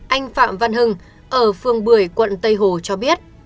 anh phạm văn hưng ở phường bưởi quận tây hồ cho biết